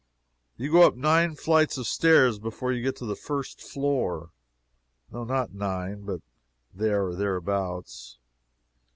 You go up nine flights of stairs before you get to the "first" floor. No, not nine, but there or thereabouts.